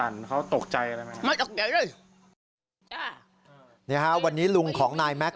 นี่ฮะวันนี้ลุงของนายแม็กซ